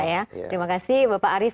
insya allah ya terima kasih bapak arief